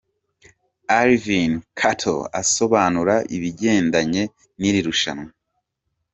Alvin Katto asobanura ibigendanye n'iri rushanwa.